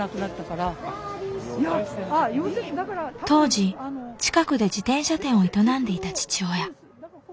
当時近くで自転車店を営んでいた父親。